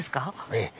ええ。